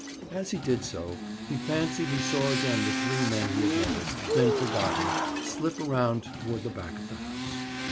As he did so, he fancied he saw again the three men he had noticed, then forgotten, slip around toward the back of the house.